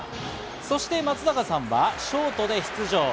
そして松坂さんはショートで出場。